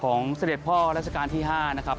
เสด็จพ่อรัชกาลที่๕นะครับ